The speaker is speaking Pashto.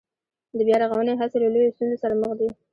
د بيا رغونې هڅې له لویو ستونزو سره مخ دي